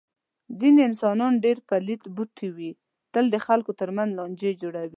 ځنې انسانان ډېر پلیت بوټی وي. تل د خلکو تر منځ لانجې جوړوي.